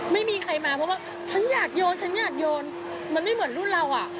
ไม่มีใครมาเพราะว่าฉันอยากโยนมันไม่เหมือนรุ่นเรา